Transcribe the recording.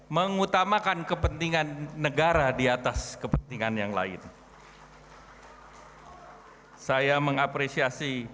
mengutamakan kepentingan negara di atas kepentingan yang lain hai saya mengapresiasi